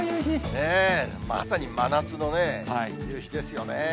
ねぇ、まさに真夏のね、夕日ですよね。